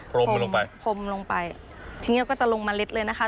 พรมลงไปพรมลงไปทีนี้เราก็จะลงเมล็ดเลยนะคะ